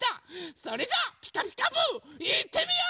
それじゃあ「ピカピカブ！」いってみよう！